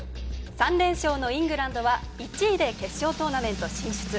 ３連勝のイングランドは１位で決勝トーナメント進出。